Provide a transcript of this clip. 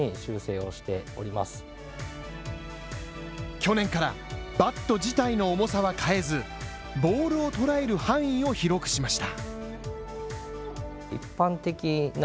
去年からバット自体の重さは変えず、ボールをとらえる範囲を広くしました。